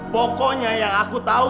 pokoknya yang aku tahu